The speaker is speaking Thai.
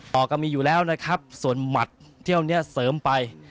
อกก็มีอยู่แล้วนะครับส่วนหมัดเที่ยวนี้เสริมไป